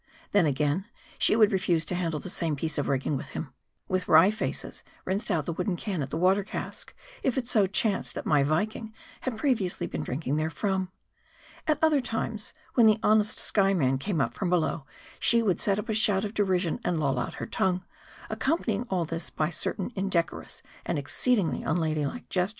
Then again, she would refuse to handle the same piece of rigging with him ; with wry faces, rinsed out the wooden can at the water cask, if it so chanced that my Viking had previ ously been drinking therefrom. At other times, when the honest Skyeman came up from below, she would set up a shout of derision, and loll out her tongue ; accompanying all this by certain indecorous and exceedingly unladylike ges M A R D I.